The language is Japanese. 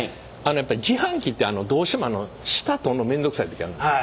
自販機ってどうしても下取るの面倒くさい時あるんです。